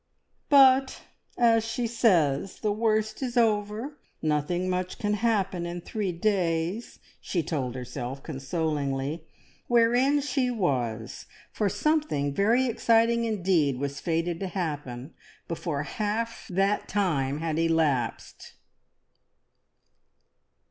"But, as she says, the worst is over. Nothing much can happen in three days," she told herself consolingly; wherein she was for something very exciting indeed was fated to happen before half that time had elapsed!